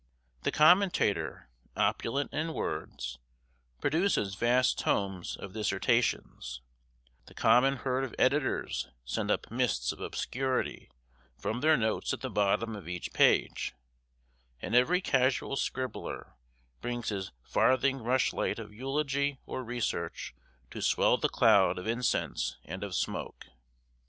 The commentator, opulent in words, produces vast tomes of dissertations; the common herd of editors send up mists of obscurity from their notes at the bottom of each page; and every casual scribbler brings his farthing rushlight of eulogy or research to swell the cloud of incense and of smoke.